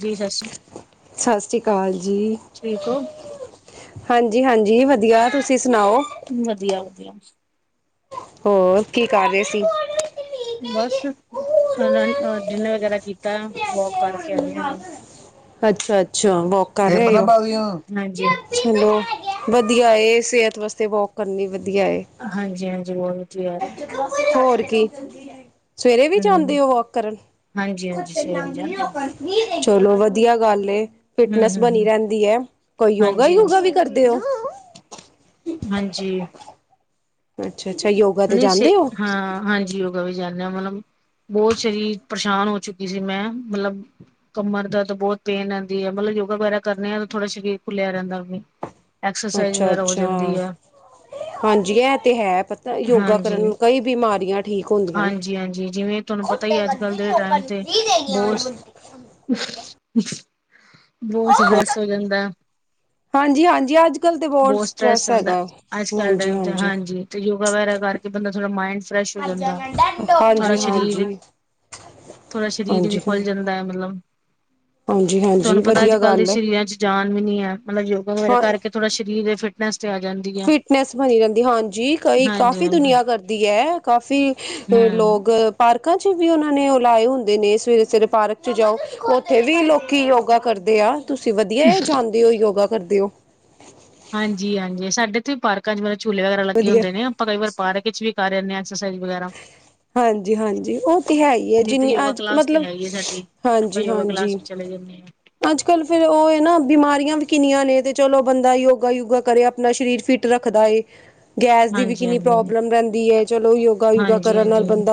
ਜੀ ਸਤਿ ਸ਼੍ਰੀ ਸਤਿ ਸ੍ਰੀ ਅਕਾਲ ਜੀ। ਠੀਕ ਹੋ ਹਾਂਜੀ ਹਾਂਜੀ ਵਧੀਆ। ਤੁਸੀਂ ਸੁਣਾਓ? ਵਧੀਆ ਵਧੀਆ। ਹੋਰ ਕੀ ਕਰ ਰਹੇ ਸੀ? ਬਸਹ ਹੁਣ ਅ ਡਿਨਰ ਵਗੈਰਾ ਕੀਤਾ, ਵੋਕ ਕਰਕੇ ਆਏ ਆ ਹੁਣ। ਅੱਛਾ ਅੱਛਾ, ਵੋਕ ਕਰਕੇ ਹਮ ਆਏ। ਹਾਂਜੀ ਹੈਲੋ, ਵਧੀਆ ਏ ਸਿਹਤ ਵਾਸਤੇ ਵੋਕ ਕਰਨੀ ਵਧੀਆ ਏ। ਹਾਂਜੀ ਹਾਂਜੀ ਬਹੁਤ ਵਧੀਆ। ਹੋਰ ਕੀ। ਸਵੇਰੇ ਵੀ ਹਮ ਜਾਂਦੇ ਹੋ ਵੋਕ ਕਰਨ? ਹਾਂਜੀ ਹਾਂਜੀ ਸਵੇਰੇ ਵੀ ਜਾਂਦੇ ਹਾਂ। ਚਲੋ ਵਧੀਆ ਗੱਲ ਏ। ਹਮ ਫਿਟਨੈਸ ਹਮ ਹਮ ਬਣੀ ਰਹਿੰਦੀ ਐ, ਕੋਈ ਯੋਗਾ ਹਾਂਜੀ ਯੂਗਾ ਹਾਂਜੀ ਵੀ ਕਰਦੇ ਓ? ਹਾਂਜੀ। ਅੱਛਾ ਅੱਛਾ, ਯੋ ਨਹੀਂ ਸਿ ਹਾਂ ਹਾਂਜੀ ਓ ਰੋਜ਼ ਜਾਣੇ ਆ, ਮਤਲਬ ਬਹੁਤ ਸਰੀਰ ਪਰੇਸ਼ਾਨ ਹੋ ਚੁੱਕੀ ਸੀ ਮੈਂ ਮਤਲਬ ਕਮਰ ਦਾ ਤਾਂ ਬੋਤ ਪੇਨ ਰਹਿੰਦੀ ਏ, ਮਤਲਬ ਯੋਗਾ ਵਗੈਰਾ ਕਰਨੇ ਆ ਤਾਂ ਥੋੜਾ ਸਰੀਰ ਖੁੱਲਿਆ ਰਹਿੰਦਾ ਵੇਖ। ਐਕਸਰਸਾਈਜ਼ ਵਗੈਰਾ ਹੋ ਜਾਂਦੀ ਅੱਛਾ-ਅੱਛਾ ਐ। ਹਾਂਜੀ ਐ ਤੇ ਹੈ ਪ ਯੋਗਾ ਕਰਨ ਹਾਂਜੀ ਕਈ ਬਿਮਾਰੀਆਂ ਠੀਕ ਹੁੰਦੀਆਂ ਨੇ। [inaudible] ਹਾਂਜੀ-ਹਾਂਜੀ ਜਿਵੇਂ ਤੁਹਾਨੂੰ ਪਤਾ ਹੀ ਅੱਜ ਬੋਤ, ਸਟਰ੍ਰੈਸ ਹੋ ਜਾਂਦਾ ਹਾਂਜੀ-ਹਾਂਜੀ ਅੱਜ ਕੱਲ੍ਹ ਤੇ ਬਹੁਤ ਬੋਤ ਸਟ੍ਰੈਸ ਸਟਰ੍ਰੈਸ ਹੋਂਦਾ, ਹੈਗਾ ਅੱਜ ਕੱਲ੍ਹ ਟਾਈਮ 'ਚ ਹਾਂਜੀ-ਹਾਂਜੀ। ਹਾਂਜੀ ਤੇ ਯੋ ਗਾ ਵਗੈਰਾ ਕਰਕੇ, ਬੰਦਾ ਥੋੜਾ ਮਾਇੰਡ ਫਰੈਸ਼ ਹੋ ਜਾਂਦਾ ਹਾਂਜੀ-ਹਾਂਜੀ, ਥੋੜਾ ਸਰੀਰ ਥੋੜ੍ਹਾ ਸਰੀਰ ਵੀ ਹਾਂਜੀ-ਹਾਂਜੀ। ਖੁੱਲ ਜਾਂਦਾ ਐ, ਮਤਲਬ ਹਾਂਜੀ-ਹਾਂਜੀ ਤੁਆਨੂੰ ਪਤਾ ਅੱਜ ਵਧੀਆ ਕੱਲ੍ਹ ਦੇ ਗੱਲ ਹੈ ਸਰੀਰਾਂ ਚ ਜਾਨ ਵੀ ਨੀ ਐ, ਮਤਲਬ ਯੋਗਾ ਵਗੈਰਾ ਹਾਂ ਕਰਕੇ ਥੋੜਾ ਸਰੀਰੇ ਫਿਟਨੈਸ ਤੇ ਆ ਜਾਂਦੀ ਐ ਫਨੈਸ ਬਨੀ ਰੇਂਦੀ, ਹਾਂਜੀ ਕਈ ਕਾਫੀ ਦੁਨੀਆ ਕਰਦੀ ਐ, ਕਾਫੀ ਹੂੰ ਲੋਗ ਪਾਰਕਾਂ 'ਚ ਵੀ ਉਨਾਂ ਨੇ ਉਹ ਲਾਏ ਹੁੰਦੇ ਨੇ ਸਵੇਰੇ- ਸਵੇਰੇ ਪਾਰਕ 'ਚ ਜਾਓ, ਉੱਥੇ ਵੀ ਲੋਕੀ ਯੋਗਾ ਕਰਦੇ ਆ। ਤੁਸੀਂ, ਵਧੀਆ ਏ, ਜਾਨਦੇ ਔ, ਯੋਗਾ ਕਰਦੇ ਔ ਹਾਂਜੀ -ਹਾਂਜੀ ਸਾਡੇ ਥੇ ਵੀ ਪਾਰਕਾਂ 'ਚ ਮਤਲਬ ਝੂਲੇ ਵਗੈਰਾ ਲੱਗੇ ਵਧੀਆ ਹੁੰਦੇ ਨੇ, ਆਪਾਂ ਕਈ ਵਾਰ ਪਾਰਕ ਏਚ ਵੀ ਕਰ ਆਨੇ ਆ, ਐਕਸਰਸਾਈਜ਼ ਵਗੈਰਾ ਹਾਂਜੀ -ਹਾਂਜੀ ਉ ਤਾਂ ਹੈ ਈ ਏ, ਨਹੀਂ ਤੇ ਜਿੰਨੀ ਯੋਗਾ ਅੱਜ ਕਲਾਸ ਤੇ ਮਤਲਬ ਹੈ ਹੀ ਹੈ ਸਾਡੀ ਆਪਾਂ ਹਾਂਜੀ- ਯੋਗਾ ਕਲਾਸ ਹਾਂਜੀ ਵਿੱਚ ਚਲੇ ਜਾਂਦੇ ਹਾਂ। ਅੱਜ ਕੱਲ ਫੇਰ ਉਹ ਏ ਨਾ, ਬਿਮਾਰੀਆਂ ਵੀ ਕਿੰਨੀਆਂ ਨੇ, ਤੇ ਚਲੋ ਬੰਦਾ ਯੋਗਾ ਯੂਗਾ ਕਰੇ ਆਪਨਾ ਸ਼ਰੀਰ ਫਿਟ ਰੱਖਦਾ ਏ, ਗੈਸ ਦੀ ਵੀ ਹਾਂਜੀ ਕਿੰਨੀ ਹਾਂਜੀ ਪ੍ਰੋਬਲਮ ਰੇਂਦੀ ਏ, ਚਲੋ ਯੋਗਾ ਯੂਗਾ ਹਾਂਜੀ ਹਾਂਜੀ ਹੂੰ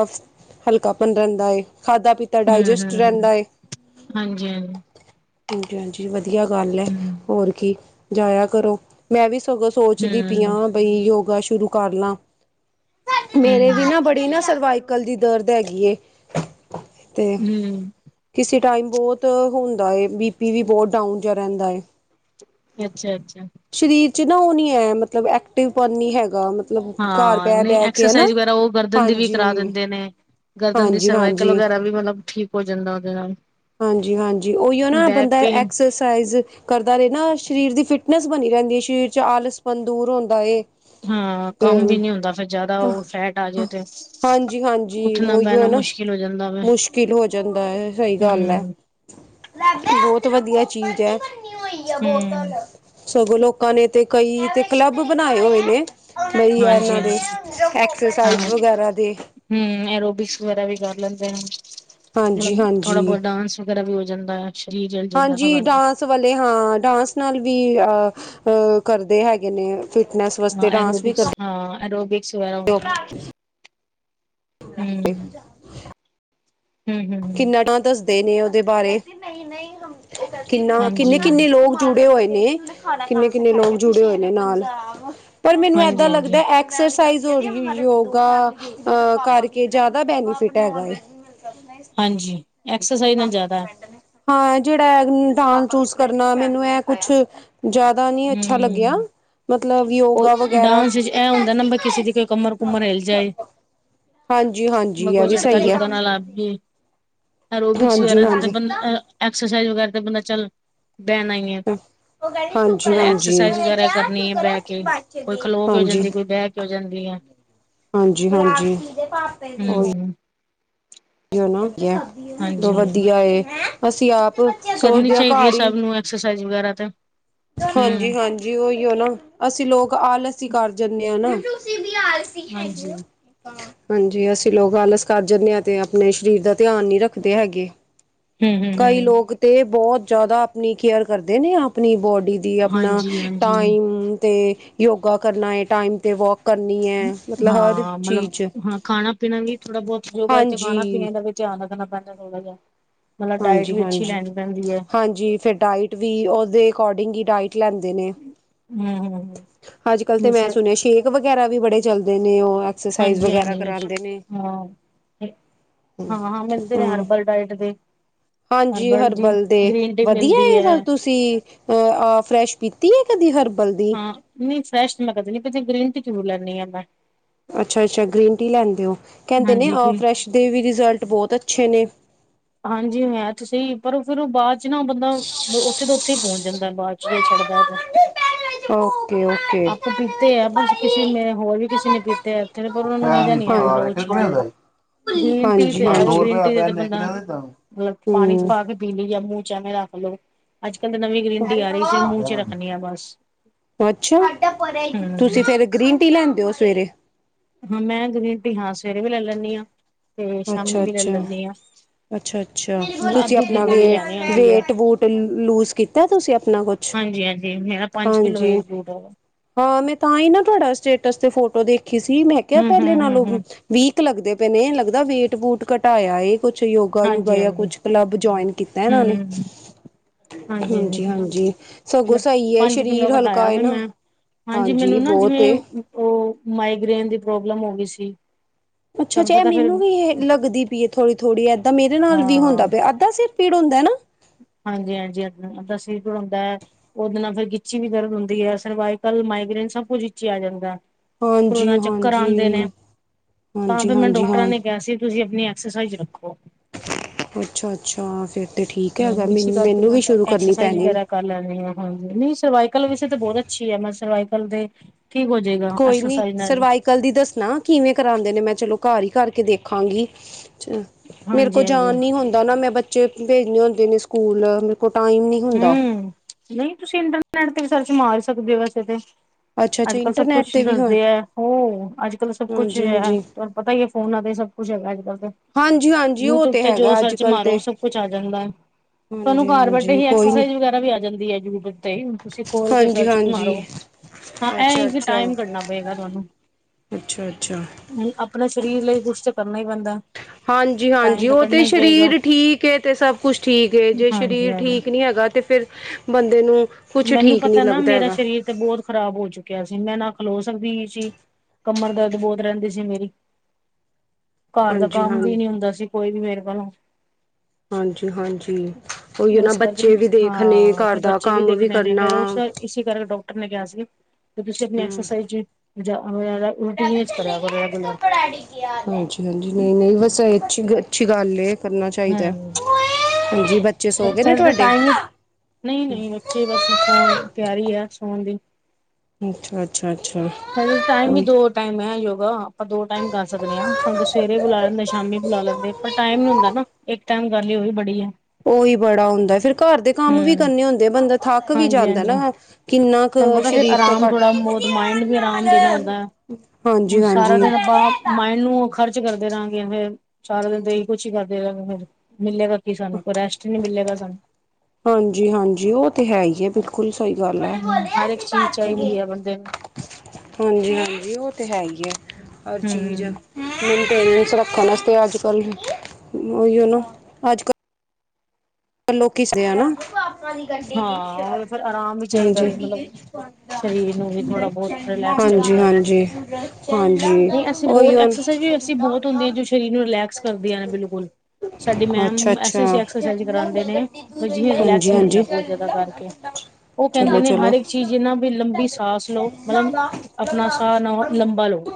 ਹਲਕਾ ਪਨ ਰੇਂਦਾ ਏ, ਖਾਧਾ ਪੀਤਾ ਤਾ ਡਾਇਜਸਟ ਹੂੰ ਰੇਂਦਾ ਏ ਹਾਂਜੀ ਹਾਂਜੀ ਹਾਂਜੀ- ਹਾਂਜੀ ਵਧੀਆ ਗੱਲ ਏ, ਹੂੰ ਹੋਰ ਕੀ ਜਾਇਆ ਕਰੋ ਮੈਂ, ਵੀ ਸਗੋਂ ਸੋਚਦੀ ਪਈ ਹੂੰ ਆ, ਬਈ ਯੋਗਾ ਸ਼ੁਰੂ ਕਰ ਲਾਂ ਹੂੰ ਮੇਰੇ ਵੀ ਨਾ, ਬੜੀ ਨਾ ਸਰਵਾਈਕਲ ਦੀ ਦਰਦ ਹੈਗੀ ਏ ਤੇ ਹੂੰ ਕਿਸੇ ਟਾਈਮ ਬੋਤ ਹੁੰਦਾ ਏ, ਬੀਪੀ ਵੀ ਬੋਤ ਡਾਊਨ ਯਾ ਰੇਂਦਾ ਏ। ਅੱਛਾ- ਅੱਛਾ ਸਰੀਰ 'ਚ ਨਾ ਉ ਨੀ ਏ, ਮਤਲਬ ਐਕਟਿਵਪਨ ਨੀ ਹੈਗਾ ਮਤਲਬ ਘਰ ਹਾਂ, ਬਹਿ ਨਈ ਬਹਿ ਕੇ ਹਨਾ ਐਕਸਰਸਾਈਜ਼ ਵਗੈਰਾ, ਉ ਗਰਦਨ ਦੀ ਵੀ ਹਾਂਜੀ ਕਰਾ ਦੇਂਦੇ ਨੇ, ਗਰਦਨ ਦੀ ਹਾਂਜੀ ਸਰਵਾਈਕਲ ਹਾਂਜੀ ਵਗੈਰਾ ਵੀ ਮਤਲਬ ਠੀਕ ਹੋ ਜਾਂਦਾ, ਉਦੇ ਨਾਲ ਹਾਂਜੀ- ਹਾਂਜੀ ਉਈਓ ਨਾ ਬੈਕ ਬੰਦਾ ਪੇਨ ਐਕਸਏਸ ਤਾਈਜ ਕਰਦਾ ਰੇ ਨਾ, ਸਰੀਰ ਦੀ ਫਿਟਨੈਸ ਬਣੀ ਰੇਂਦੀ ਏ, ਸਰੀਰ 'ਚ ਆਲਸਪਣ ਦੂਰ ਹੁੰਦਾ ਏ ਹੂੰ ਤੇ ਕੰਮ ਵੀ ਨੀ ਹੁੰਦਾ, ਫੇਰ ਜ਼ਾਦਾ ਉਹ ਫੈਟ ਆ ਜੇ ਤੇ ਹਾਂਜੀ ਹਾਂਜੀ ਉੱਠਨਾ ਉਹੀਓ ਬੇਨਾ ਨਾ ਮੁਸ਼ ਮੁਸ਼ਕਿਲ ਹੋ ਜਾਂਦਾ ਏ, ਸਈ ਗੱਲ ਏ। ਹੂੰ ਬਹੁਤ ਵਧੀਆ ਚੀਜ਼ ਏ, ਹੂੰ ਸਗੋਂ ਲੋਕ ਲੋਕਾਂ, ਨੇ ਤੇ ਕਈ ਤੇ ਕਲੱਬ ਬਨਾਏ ਹੋਏ ਨੇ ਬਹੀ ਹਾਂਜੀ ਏਨਾਂ ਦੇ, ਹਾਂਜੀ ਐਕਸਰਸਾਈਜ਼ ਵਗੈਰਾ ਦੇ ਹੂੰ, ਐਰੋਬਿਕਸ ਵਗੈਰਾ ਵੀ ਕਰ ਲੈਂਦੇ ਆ ਜ ਹਾਂਜੀ ਥੋੜਾ ਹਾਂਜੀ ਬੋਤ ਡਾਂਸ ਵਗੈਰਾ ਵੀ ਹੋ ਜਾਂਦਾ ਏ, ਸਰੀਰ ਜਲ ਜਾਂਦਾ ਥੋੜਾ ਸਵਾਲੇ ਹਾਂ, ਡਾਂਸ ਨਾਲ ਵੀ ਅ ਕਰਦੇ ਹੈਗੇ ਨੇ ਫਿਟਨੈਸ ਹਾਂ, ਵਾਸਤੇ ਡਾਂਸ ਵੀ ਐਰੋਬਿਕਸ, ਕਰਦੇ ਹਾਂ ਐਰੋਬਿਕਸ ਵਗੈਰਾ ਹੁੰਦੀ ਹੁ ਕਿੰਨਾ ਟਾ ਦੱਸਦੇ ਨੇ ਉਦੇ ਬਾਰੇ, ਕਿੰਨਾ ਹਾਂਜੀ ਕਿੰਨੇ- ਕਿੰਨੇ ਲੋਗ ਜੁੜੇ ਹੋਏ ਨੇ, ਕਿੰਨੇ- ਕਿੰਨੇ ਲੋਗ ਜੁੜੇ ਹੋਏ ਨੇ ਨਾਲ, ਪਰ ਮੈਨੂੰ ਹਾਂਜੀ ਏਦਾਂ ਹਾਂਜੀ ਲੱਗਦਾ ਐ ਏ ਐਕਸਰਸਾਈਜ਼ ਔਰ ਯੋਗਾ ਕਰਕੇ ਜ਼ਿਆਦਾ ਬੈਨੀਫਿਟ ਹੈਗਾ ਐ। ਹਾਂਜੀ, ਐਕਸਰਸਾਈਜ਼ ਨਾਲ ਜਾਦਾ ਹਾਂ, ਜੇੜਾ ਐਗ ਡਾਂਗ ਚੂਸ ਕਰਨਾ, ਮੈਨੂੰ ਇਹ ਕੁਛ ਜਾਦਾ ਨੀ ਅੱਛਾ ਲੱਗੇਆ, ਹਮ ਮਤਲਬ ਯੋਗਾ ਵਗੈਰਾ ਏ ਹੁੰਦਾ ਨਾ, ਬ ਕਿਸੇ ਦੀ ਕੋਈ ਕਮਰ, ਕੁੰਮਰ ਹਿਲ ਜਾਏ ਹਾਂਜੀ ਮੈਂ, ਹਾਂਜੀ ਇਹ ਕੋਈ ਵੀ ਝਟਕਾ ਸਹੀ ਹੈ ਚੁਟਕਾ ਨਾ ਲਾਭਗੀ ਅਰੋਬਿਕਸ ਹਾਂਜੀ ਵਗੈਰਾ ਤੇ ਹਾਂਜੀ ਬੰ ਐਕਸਰਸਾਈਜ਼ ਵਗੈਰਾ ਤੇ ਬੰਦਾ ਚੱਲ ਬੈਣਾ ਈ ਏ। ਹ ਹਾਂ- ਮਲਬ ਐਕਸਰਸਾਈਜ਼ ਵਗੈਰਾ ਕਰਨੀ ਏ ਬੈ ਕੇ, ਕੋਈ ਖਲੋ ਕੇ ਹੋ ਹਾਂਜੀ ਜਾਂਦੀ ਕੋਈ ਬੈ ਕੇ ਓ ਜਾਂਦੀ ਐ। ਹਾਂਜੀ ਹਾਂਜੀ ਓਈ ਹੂੰ, ਓ ਨਾ ਤੋ ਹਾਂਜੀ-ਹਾਂਜੀ ਵਧੀਆ ਏ ਅਸੀਂ ਆਪ ਕਰਨੀ ਸੋਚਦੇ ਹਾਂ ਚਾਈਦੀ ਏ ਘਰ ਸਭ ਹੀ ਨੂੰ ਐਕਸਰਸਾਈਜ਼ ਵਗੈਰਾ ਤੇ। ਹਾਂਜੀ ਹੂੰ। ਹਾਂਜੀ ਓਈ ਓ ਨਾ, ਅਸੀਂ ਲੋਕ ਆਲਸ ਈ ਕਰ ਜਾਂਨੇ ਆਂ ਨਾ। ਕੀ ਹਾਂਜੀ। ਹੈਗੇ ਓ। ਹਾਂਜੀ ਅਸੀਂ ਲੋਕ ਆਲਸ ਕਰ ਜਾਂਨੇ ਆਂ ਤੇ ਆਪਣੇ ਸਰੀਰ ਦਾ ਧਿਆਨ ਨੀ ਰੱਖਦੇ ਹੈਗੇ। ਕਈ ਹੂੰ-ਹੂੰ-ਹੂੰ, ਲੋਕ ਤੇ ਬੋਤ ਜਾਦਾ ਆਪਣੀ ਕੇਅਰ ਕਰਦੇ ਨੇ, ਆਪਣੀ ਬੋਡੀ ਦੀ ਆਪਣਾ ਹਾਂਜੀ-ਹਾਂਜੀ ਟਾਈਮ ਤੇ ਯੋਗਾ ਕਰਨਾ ਏ, ਟਾਈਮ ਤੇ ਵੋਕ- ਕਰਨੀ ਹੈ ਮਤਲਬ ਹਰ ਹਾਂ ਮਲਬ ਚੀਜ਼ ਖਾਣਾ ਪੀਣਾ ਵੀ, ਥੋੜਾ ਬੋਤ ਯੋਗਾ 'ਚ ਖਾਨੇ ਹਾਂਜੀ ਪੀਨੇ ਦਾ ਵੀ ਧਿਆਨ ਰੱਖਣਾ ਪੈਂਦਾ ਥੋੜਾ ਜਿਆ। ਹਾਂਜੀ ਹਾਂਜੀ ਹਾਂਜੀ ਫੇਰ ਡਾਇਟ ਵੀ ਓਦੇ ਅਕੋਰਡਿੰਗ ਈ ਡਾਇਟ ਲੈਂਦੇ ਨੇ। ਹਮ ਹਮ ਅੱਜ ਕਲ ਤੇ ਮੈਂ ਸੁਣਿਆ ਸ਼ੇਕ ਵਗੈਰਾ ਵੀ ਬੜੇ ਚਲਦੇ ਨੇ। ਓ ਐ ਹਾਂਜੀ ਹਾਂਜੀ ਸ਼ ਹਾਂ। ਹਾਂ ਮਿਲਦੇ ਆ ਹਮ ਹਰਬਲ ਡਾਇਟ ਦੇ। ਹਾਂਜੀ ਦੀ ਹਰਬਲ ਦੇ ਗ੍ਰੀਨ ਟੀ ਵਧੀਆ ਮਿਲਦੀ ਹੈ। ਏ ਤੁਸੀਂ ਅ ਅ ਫਰੈਸ਼ ਪੀਤੀ ਏ ਕਦੀ ਹਰਬਲ ਦੀ। ਨਈ ਫਰੈਸ਼ ਮੈਂ ਕਦੀ ਨੀ ਪੀਤੀ। ਗ੍ਰੀਨ ਟੀ ਜ਼ਰੂਰ ਲੈਣੀ ਆ ਮੈਂ। ਅੱਛਾ ਅੱਛਾ ਗ੍ਰੀਨ ਟੀ ਲੈਂਦੇ ਓ। ਕੈਂਦੇ ਨੇ ਹਾਂਜੀ ਆ ਕੋਈ ਫਰੈਸ਼ ਦੇ ਵੀ ਰਿਜ਼ਲਟ ਬੋਤ ਅੱਛੇ ਨੇ। ਹਾਂਜੀ ਹੈ ਤੇ ਸ‌ਈ ਪਰ ਫੇਰ‌‌ ਓ ਬਾਦ 'ਚ ਨਾ ਬੰਦਾ ਓਥੇ ਦਾ ਓਥ ਓਥੇ ਈ ਪੋਂਚ ਜਾਂਦਾ ਬਾ 'ਚ ਜੇ ਛੱਡਦਾ ਤੇ। ਓਕੇ ਓਕੇ ਆਪੇ ਪੀਤੇ ਆ ਬਸ ਕਿਸੇ ਨੇ ਹੋਰ ਵੀ ਕਿਸੇ ਨੇ ਪੀਤੇ ਐ। ਤੇ ਪਰ ਓਨਾ ਨੂੰ ਮਜ਼ਾ ਨੀ ਆਇਆ ਬੁਖਾਰ ਮਤਬ ਹੈ ਓ ਕਿਹਦੇ ਕੋਲ ਚੀਜ਼- ਗ੍ਰੀਨ ਲਿਆਂਦਾ ਟੀ ਜੀ ਤੇ ਹਾਂ ਐ ਵੇ, ਦੋ ਗ੍ਰੀਨ ਰੁਪਏ ਦਾ ਟੀ ਤੇ ਤੇ ਪੈਨ ਇੱਕ ਬੰਦਾ ਨੇ ਦਿੱਤਾ ਮੈਨੂੰ। ਮਲਬ ਪਾਣੀ 'ਚ ਪਾ ਕੇ ਪੀ ਲੀ ਐ, ਮੂੰ 'ਚ ਐਵੇਂ ਰੱਖ ਲੋ। ਅੱਜ ਕੱਲ੍ਹ ਤੇ ਨਵੀਂ ਗ੍ਰੀਨ ਟੀ ਆ ਰੀ ਸਿਰਫ ਮੂੰਹ 'ਚ ਰੱਖਣੀ ਆ ਬਸ। ਅੱਛਾ ਤੁਸੀਂ ਹਮ ਫੇਰ ਗ੍ਰੀਨ ਟੀ ਲੈਂਦੇ ਓ ਸਵੇਰੇ। ਹਾਂ ਮੈਂ ਗ੍ਰੀਨ ਟੀ ਹਾਂ ਸਵੇਰੇ ਵੀ ਲੈ ਲੈਂਣੀ ਆਂ, ਤੇ ਸ਼ਾਮੀ ਵੀ ਲੈ ਲੈਂਣੀ ਆਂ। ਅੱਛਾ ਅੱਛਾ ਤੁਸੀਂ ਆਪਣਾ ਵੇ ਲੈਣੀ ਹੁੰਦੀ ਹੈ ਵੇਟ ਵੂਟ ਲੂਜ ਕੀਤਾ, ਤੁਸੀਂ ਆਪਣਾ ਕੁਛ ਹਾਂਜੀ ਹਾਂਜੀ ਮੇਰਾ ਪੰਜ ਕਿਲੋ ਹਾਂਜੀ ਵੇਟ ਲੂਟ ਹੋਵਾ। ਹਾਂ ਮੈਂ ਤਾਂ ਈਂ ਨਾ ਤੁਆਡਾ ਸਟੇਟਸ ਤੇ ਫੋਟੋ ਦੇਖੀ ਸੀ, ਮੈਂ ਕਿਆ ਐ ਹਮ ਪੈਲੇ ਹਮ ਨਾਲੋਂ ਹਮ ਹਮ ਵੀਕ ਲੱਗਦੇ ਪਏ ਨੇ, ਲੱਗਦਾ ਵੇਟ ਵੂਟ ਘਟਾਇਆ ਏ। ਕੁਛ ਯੋਗਾ ਯੂਗਾ ਹਾਂਜੀ ਜਾਂ ਹਾਂਜੀ ਕੁਛ ਕਲੱਬ ਜੁਆਇਨ ਕੀਤਾ ਏਨਾਂ ਨੇ‌ ਹਮ ਹਾਂਜੀ ਹਾਂਜੀ ਸਗੋਂ ਮਤਲਬ ਸ‌ਈ ਏ, ਪੰਜ ਕਿੱਲੋ ਸਰੀਰ ਘਟਾਇਆ ਹਲਕਾ ਏ ਵੀ ਨਾ। ਮੈਂ ਹਾਂਜੀ ਬੋਤ ਏ। ਓ ਮਾਈਗ੍ਰੇਨ ਦੀ ਪ੍ਰੋਬਲਮ ਹੋ ਗੀ ਸੀ। ਉਛਾ ਤੁਹਾਨੂੰ ਚਾਏ ਪਤਾ ਫਿਰ ਮਿਨੂੰ ਵੀ ਏ ਲੱਗਦੀ ਪੀ ਏ ਥੋੜੀ -ਥੋੜ੍ਹੀ‌। ਏਦਾਂ ਮੇਰੇ ਨਾਲ ਵੀ ਹਾਂ ਹੁੰਦਾ ਪਿਆ ਅੱਧਾ ਸਿਰ ਪੀੜ ਹੁੰਦਾ ਨਾ‌ ਹਾਂਜੀ ਹਾਂਜੀ ਅੱ ਅੱਧਾ ਸਿਰ ਪੀੜ ਹੁੰਦਾ ਐ। ਓਦੇ ਨਾਲ ਫੇਰ ਗਿੱਚੀ ਵੀ ਦਰਦ ਹੁੰਦੀ ਐ, ਸਰਵਾਈਕਲ, ਮਾਈਗ੍ਰੇਨ ਸਭ ਕੁਝ ਵਿਚ ਈ ਆ ਜਾਂਦਾ। ਫੇਰ ਉਦੇ ਹਾਂਜੀ ਨਾ ਚੱਕਰ ਆਂਦੇ ਨੇ ਹਾਂਜੀ ਤਾਂ ਹਾਂਜੀ ਫੇਰ ਮੈਨੂੰ ਹਾਂਜੀ ਡਾਕਟਰਾਂ ਹਾਂ ਨੇ ਕਿਹਾ ਸੀ ਤੁਸੀਂ ਆਪਣੀ ਐਕਸਰਸਾਈਜ਼ ਰੱਖੋ ਅੱਛਾ ਅੱਛਾ ਫੇਰ ਤੇ ਠੀਕ ਆ ਅਗਰ ਹਮ ਇਸ ਮਨ ਕਰਕੇ ਮੈਨੂੰ ਮੈਂ ਵੀ ਸ਼ੁਰੂ ਕਰਨੀ ਐਕਸਰਸਾਈਜ਼ ਪੈਣੀ ਵਗੈਰਾ ਕਰ ਲੈਣੇ ਆ ਹਾਂਜੀ ਨਹੀਂ ਸਰਵਾਈਕਲ ਵਿੱਚ ਤਾਂ ਬਹੁਤ ਅੱਛੀ ਆ ਮੈਂ ਸਰਵਾਈਕਲ ਦੇ ਠੀਕ ਹੋ ਜੇਗਾ ਐਕਸਰਸਾਈਜ਼ ਨਾਲ ਕੱਲ ਦੀ ਦੱਸਣਾ ਕਿਵੇਂ ਕਰਾਉਂਦੇ ਨੇ ਮੈਂ ਚਲੋ ਘਰ ਹੀ ਕਰਕੇ ਦੇਖਾਂਗੀ। ਮੇਰੇ ਹਾਂਜੀ ਕੋਲ ਹਾਂਜੀ ਜਾਨ ਨੀ ਹੁੰਦਾ ਨਾ ਮੈਂ ਬੱਚੇ ਭੇਜਨੇ ਹੁੰਦੇ ਨੇ ਸਕੂਲ ਮੇਰੇ ਕੋਲ ਟਾਈਮ ਨੀ ਹੂੰ ਨਹੀਂ ਤੁਸੀਂ ਇੰਟਰਨੈਟ ਤੇ ਵੀ ਸਰਚ ਮਾਰ ਸਕਦੇ ਹੋ। ਵੈਸੇ ਤੇ ਅੱਛਾ ਅੱਛਾ ਅੱਜ-ਕੱਲ ਸਭ ਇੰਟਰਨੈਟ ਕੁਛ ਤੇ ਵੀ ਹੋਏ ਦੱਸਦੇ ਆ। ਹੋ ਅੱਜ-ਕੱਲ ਸਭ ਕੁਛ ਹੀ ਹਾਂਜੀ ਆ ਹਾਂਜੀ ਪਤਾ ਹੀ ਆ ਫੋਨਾਂ ਤੇ ਸਭ ਕੁੱਛ ਹੈਗਾ ਅੱਜ-ਕੱਲ ਤੇ ਹਾਂਜੀ ਹਾਂਜੀ ਉਹ ਯੂਟਿਊਬ ਤੇ ਜੋ ਹੈਗਾ ਅੱਜ ਸਰਚ ਕੱਲ ਮਾਰੋ ਓ ਤੇ ਸਭ ਕੁਛ ਆ ਜਾਂਦਾ ਆ ਤੁਹਾਨੂੰ ਹਾਂਜੀ ਘਰ ਬੈਠੇ ਹਾਂਜੀ ਹੀ ਕੋਈ ਨੀ ਐਕਸਰਸਾਈਜ਼ ਵਗੈਰਾ ਵੀ ਆ ਜਾਂਦੀ ਆ ਯੂਟਿਊਬ ਤੇ ਤੁਸੀਂ ਖੋਲ ਕੇ ਹਾਂਜੀ ਸਰਚ ਹਾਂਜੀ ਮਾਰੋ ਹਾਂ ਐ ਅੱਛਾ ਕਿ ਟਾਈਮ ਕੱਢਨਾ ਪਏਗਾ ਤੁਹਾਨੂੰ। ਅੱਛਾ-ਅੱਛਾ। ਹੂੰ ਆਪਣੇ ਸਰੀਰ ਲਈ ਕੁਛ ਤਾਂ ਕਰਨਾ ਹੀ ਪੈਂਦਾ। ਹਾਂਜੀ, ਟਾਈਮ ਹਾਂਜੀ ਤਾਂ ਓ ਕੱਢਣਾ ਤੇ ਹੀ ਪਏਗਾ ਸਰੀਰ ਠੀਕ ਏ ਤੇ ਸਭ ਕੁਛ ਠੀਕ ਏ ਜੇ ਹਾਂਜੀ ਸਰੀਰ ਹਾਂਜੀ ਠੀਕ ਨੀ ਹੈਗਾ ਤੇ ਫਿਰ ਬੰਦੇ ਨੂੰ ਕੁਛ ਮੈਨੂੰ ਠੀਕ ਨੀ ਪਤਾ ਨਾ ਲੱਗਦਾ ਮੇਰਾ ਹੈਗਾ ਸਰੀਰ ਤੇ ਬਹੁਤ ਖ਼ਰਾਬ ਹੋ ਚੁੱਕਿਆ ਸੀ। ਮੈਂ ਨਾ ਖਲੋ ਸਕਦੀ ਸੀ। ਕਮਰ ਦਰਦ ਬਹੁਤ ਰਹਿੰਦੀ ਸੀ। ਮੇਰੀ ਘਰ ਦਾ ਹਾਂਜੀ ਕੰਮ ਹਾਂ ਵੀ ਨੀ ਹੁੰਦਾ ਸੀ। ਕੋਈ ਵੀ ਮੇਰੇ ਕੋਲੋਂ ਹਾਂਜੀ ਹਾਂਜੀ ਉਹੀ ਉਹ ਨਾ ਇਸ ਕਰਕੇ ਬੱਚੇ ਵੀ ਦੇਖਣੇ ਘਰ ਦਾ ਕੰਮ ਵੀ ਮੈਂਨੇ ਕਰਨਾ ਫੇਰ ਉਸ ਇਸ ਕਰ ਡਾਕਟਰ ਨੇ ਕਿਹਾ ਸੀ। ਕਿ ਤੁਸੀਂ ਆਪਣੀ ਹਮ ਐਕਸਰਸਾਈਜ ਜੀ ਜਿਆਦਾ ਰੂਟੀਨ 'ਚ ਕਰਿਆ ਕਰੋ ਰੈਗੂਲਰ ਹਾਂਜੀ ਹਾਂਜੀ ਨਹੀਂ ਨਹੀਂ ਵੈਸੇ ਏ ਅੱਛੀ ਗੱਲ ਏ ਕਰਨਾ ਚਾਈਦਾ। ਹੂੰ ਹਾਂਜੀ, ਬੱਚੇ ਸੌ ਗਏ ਨੇ ਤੁਹਾਡੇ? ਨਈ ਨਈ ਬੱਚੇ ਬਸ ਸੌਣ ਤਿਆਰੀ ਆ ਸੌਣ ਦੀ। ਅੱਛਾ ਅੱਛਾ ਅੱਛਾ ਹਜੇ ਟਾਈਮ ਵੀ ਉਹੀ ਦੋ ਟਾਈਮ ਐ ਯੋਗਾ ਆਪਾਂ ਦੋ ਟਾਈਮ ਕਰ ਸਕਦੇ ਆ ਸਾਨੂੰ ਤੇ ਸਵੇਰੇ ਬੁਲਾ ਲੈਂਦੇ, ਸ਼ਾਮੀ ਬੁਲਾ ਲੈਂਦੇ, ਪਰ ਟਾਈਮ ਨੀ ਹੁੰਦਾ ਨਾ ਇੱਕ ਟਾਈਮ ਕਰ ਲਈਏ ਉਹੀ ਬੜੀ ਆ। ਉਹੀ ਬੜਾ ਹੁੰਦਾ ਫੇਰ ਘਰ ਦੇ ਕੰਮ ਵੀ ਹੂੰ ਕਰਨੇ ਹੁੰਦੇ ਆ ਬੰਦਾ ਥੱਕ ਵੀ ਹਾਂਜੀ ਜਾਂਦਾ ਹਾਂਜੀ ਨਾ ਕਿੰਨਾ ਤੁਹਾਨੂੰ ਕੁ ਪਤਾ ਫੇਰ ਸਰੀਰ ਤੋਂ ਆਰਾਮ ਘੱਟ ਥੋੜਾ ਬੋਤ ਮਾਇੰਡ ਵੀ ਆਰਾਮ ਦੇਣਾ ਹੁੰਦਾ ਆ ਹਾਂਜੀ ਹੁਣ ਸਾਰਾ ਹਾਂਜੀ ਦਿਨ ਆਪਾਂ ਮਾਇੰਡ ਨੂੰ ਖਰਚ ਕਰਦੇ ਰਹਾਂਗੇ ਫੇਰ ਸਾਰਾ ਦਿਨ ਤੇ ਏਹੀ ਕੁਛ ਕਰਦੇ ਰਹਾਂਗੇ ਫਿਰ ਮਿਲੇਗਾ ਕੀ। ਕੀ ਸਾਨੂੰ ਕੋਈ ਰੈਸਟ ਨੀ ਮਿਲੇਗਾ ਸਾਨੂੰ ਹਾਂਜੀ ਹਾਂਜੀ ਉਹ ਤੇ ਹੈ ਹੀ ਆ ਬਿਲਕੁਲ ਸਹੀ ਗੱਲ ਆ। ਹੂੰ ਹਰ ਇੱਕ ਚੀਜ਼ ਚਾਹੀਦੀ ਹੈ ਬੰਦੇ ਨੂੰ ਹਾਂਜੀ ਹਾਂਜੀ ਉਹ ਤੇ ਹੈ ਹੀ ਆ ਹਰ ਚੀਜ਼ ਹੂੰ ਮੇਨਟੇਨੈਂਸ ਵਿੱਚ ਰੱਖਣ ਵਾਸਤੇ ਅੱਜ-ਕੱਲ ਉਹੀ ਨਾ ਅੱਜ-ਕੱਲ ਪਰ ਲੋਕੀਂ ਕਿਸਦੇ ਆ ਨਾ ਹਾਂਜੀ। ਹਾਂ ਫਿਰ ਆਰਾਮ ਵੀ ਚਾਹੀਦਾ ਮਤਲਬ ਸਰੀਰ ਨੂੰ ਵੀ ਥੋੜਾ ਬਹੁਤ ਰਿਲੈਕਸ ਹਾਂਜੀ ਚਾਹੀਦਾ ਹਾਂਜੀ ਹਾਂਜੀ ਨਹੀਂ ਅਸੀਂ ਉਹੀ ਬਹੁਤ ਹੁਨ ਐਕਸਰਸਾਈਜ਼ ਵੀ ਅਸੀਂ ਬਹੁਤ ਹੁੰਦੀ ਹੈ ਜੋ ਸਰੀਰ ਨੂੰ ਰਿਲੈਕਸ ਕਰਦੀਆਂ ਨੇ ਬਿਲਕੁਲ। ਸਾਡੀ ਅੱਛਾ ਮੈਮ ਅੱਛਾ ਐਸ਼ੀ ਐਸ਼ੀ ਐਕਸਰਸਾਈਜ਼ ਕਰਾਉਂਦੇ ਨੇ ਵੀ ਜਿਵੇਂ ਰਿਲੈਕਸ ਮਿਲਦਾ। ਚੱਲਦਾ ਹੋਣਾ ਫੇਰ ਤਾਂ। ਓ ਕਹਿੰਦੇ ਨੇ ਹਰ ਇੱਕ ਚੀਜ਼ ਨਾ ਵੀ ਲੰਬੀ ਸਾਸ ਲਓ ਮਤਲਬ ਆਪਣਾ ਸਾਹ ਲੰਬਾ ਲਓ।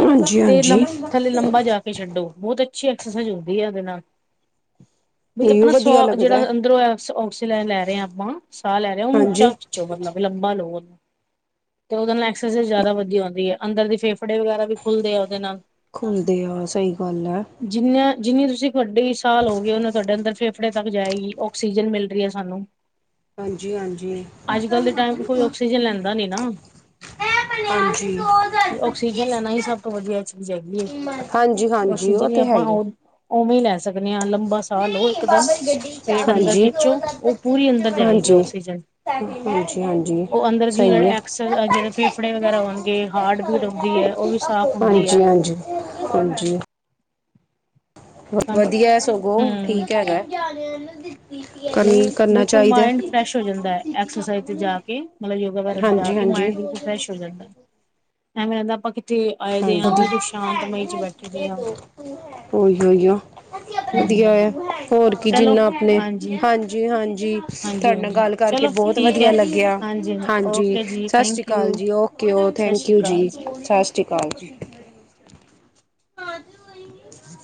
ਹਾਂਜੀ ਤੇ ਹਾਂਜੀ। ਲੰ ਥੱਲੇ ਲੰਬਾ ਜਾ ਕੇ ਛੱਡੋ ਬਹੁਤ ਅੱਛੀ ਐਕਸਰਸਾਈਜ਼ ਹੁੰਦੀ ਆ ਉਦੇ ਨਾਲ। ਬਈ ਇਹ ਆਪਣਾ ਸ, ਵਧੀਆ ਲੱਗਦਾ ਜਿਹੜਾ ਅੰਦਰੋਂਇ ਲੈ ਰਹੇ ਹਾਂ ਆਪਾਂ, ਸਾਹ ਲੈ ਰਹੇ ਆ, ਉਹਨੂੰ ਹਾਂਜੀ ਉੱਚਾ ਖਿੱਚੋ ਮਤਲਬ, ਲੰਬਾ ਲਓ ਉਹਨੂੰ ਤੇ ਉਹਦੇ ਨਾਲ, ਐਕਸਰਸਾਈਜ਼ ਜ਼ਿਆਦਾ ਵਧੀਆ ਹੁੰਂਦੀ ਹੈ, ਅੰਦਰ ਦੇ ਫੇਫੜੇ ਵਗੈਰਾ ਵੀ, ਖੁੱਲਦੇ ਆ ਉਹਦੇ ਨਾਲ। ਖੁਲਦੇ ਆ, ਸਹੀ ਗੱਲ ਹੈ। ਜਿੰਨੀ- ਜਿੰਨੀ ਤੁਸੀਂ ਵੱਡੀ, ਸਾਹ ਲੋ ਗਏ ਉਹਨੀ ਤੁਹਾਡੇ ਅੰਦਰ ਫੇਫੜੇ ਤੱਕ ਜਾਏਗੀ। ਆਕਸੀਜਨ ਮਿਲ ਮਿਲਦੀ ਆ ਸਾਨੂੰ। ਹਾਂਜੀ ਹਾਂਜੀ ਅੱਜ ਕੱਲ੍ਹ ਦੇ ਟਾਈਮ ਵਿੱਚ, ਕੋਈ ਆਕਸੀਜਨ ਲੈਂਦਾ ਨੀ ਨਾ। ਹਾਂਜੀ ਤੇ ਆਕਸੀਜਨ ਲੈਣਾ ਹੀ, ਸਭ ਤੋਂ ਵਧੀਆ ਚੀਜ਼ ਹੈਗੀ। ਹਾਂਜੀ ਹਾਂ। ਆਕਸੀਜਨ ਹੀ ਆਪਾਂ ਉਵੇਂ ਲੈ ਸਕਦੇ ਹਾਂ, ਲੰਬਾ ਸਾਹ ਲਓ ਇਕਦਮ ਪੇਟ ਅੰਦਰ ਹਾਂਜੀ। ਖਿੱਚੋ', ਉਹ ਪੂਰੀ ਅੰਦਰ ਜਾਏਗੀ ਹਾਂਜੀ। ਆਕਸੀਜਨ। ਹਾਂਜੀ ਹਾਂਜੀ, ਉਹ ਅੰਦਰ ਦੀ ਜਿਹੜੇ ਸਹੀ ਹੈ। ਐਕਸ ਜਿਹੜੇ ਫੇਫੜੇ ਵਗੈਰਾ ਹੋਣਗੇ ਹਾਰਟ ਬੀਟ ਹੁੰਦੀ ਹੈ ਉਹ ਵੀ ਸਾਫ਼ ਹੁੰਦੀ ਹਾਂਜੀ, ਹੈ ਹਾਂਜੀ, ਹਾਂਜੀ। ਹਮ ਵਧੀਆ ਸਗੋਂ, ਠੀਕ ਹੈਗਾ। ਨਹੀਂ, ਕਰਨ ਕਰਨਾ ਬਿਲਕੁਲ ਚਾਹੀਦਾ ਮਾਇੰਡ ਫਰੈਸ਼ ਹੋ ਜਾਂਦਾ ਐਕਸਰਸਾਈਜ਼ ਤੇ ਜਾ ਕੇ, ਮਤਲਬ ਯੋਗਾ ਹੈ। ਵਾਇਰਸ ਜਾ ਹਾਂਜੀ ਕੇ। ਕੀ ਹਾਂਜੀ ਮਾਇੰਡ ਬਿਲਕੁਲ ਫਰੈਸ਼ ਹੋ ਜਾਂਦਾ, ਐਵੇਂ ਲੱ ਆਪਾਂ ਕਿਥੇ ਆਏ ਦੇ ਆ, ਬਿਲਕੁਲ ਸ਼ਾਂਤਮਈ 'ਚ ਬੈਠਦੇ ਹਾਂ। ਉਹੀ ਉਹੀਓ ਵਧੀਆ ਹੈ, ਹੂੰ। ਹੋਰ ਕੀ ਚਲੋ ਜਿੰਨਾ ਆਪਣੇ, ਹਾਂਜੀ, ਹਾਂਜੀ-ਹਾਂਜੀ। ਹਾਂਜੀ, ਤੁਹਾਡੇ ਨਾਲ ਹਾਂਜੀ ਗੱਲ ਕਰਕੇ, ਚਲੋ ਬਹੁਤ ਠੀਕ ਹੈ। ਵਧੀਆ ਲੱਗਿਆ। ਹਾਂਜੀ, ਹਾਂਜੀ, ਓਕੇ ਜੀ ਸਤਿ ਸ੍ਰੀ ਥੈਂਕ ਅਕਾਲ ਯੂ ਜੀ, ਉਕ ਓਕੇ ਓ, ਸਤਿ ਥੈਂਕ ਸ਼੍ਰੀ ਯੂ ਅਕਾਲ ਜੀ, ਸਤਿ ਸ਼੍ਰੀ ਅਕਾਲ ਜੀ।